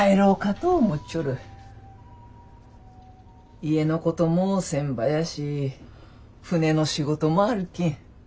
家のこともせんばやし船の仕事もあるけん。